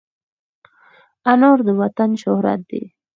انار د وطن شهرت دی.